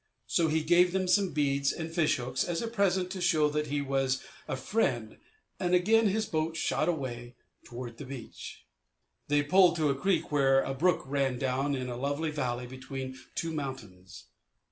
So he gave them some beads and fish hooks as a present to show that he was a friend and again his boat shot away toward the beach. They pulled to a creek where a brook ran down in a lovely valley between two mountains.